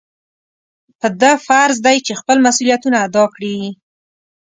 په ده فرض دی چې خپل مسؤلیتونه ادا کړي.